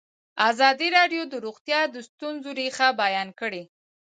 ازادي راډیو د روغتیا د ستونزو رېښه بیان کړې.